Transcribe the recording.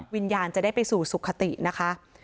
วิญญาณจะได้ไปสู่สุขตินะคะ